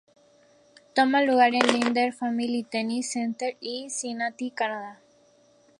Toma lugar en Lindner Family Tennis Center en Cincinnati, Canadá.